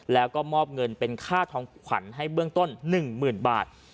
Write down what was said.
แล้วก็มอบเงินเป็นค่าทองขวัญให้เบื้องต้น๑๐๐๐บาท